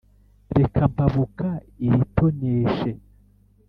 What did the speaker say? reka mpabuka iritoneshe: